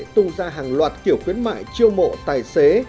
tung ra hàng loạt kiểu khuyến mại chiêu mộ tài xế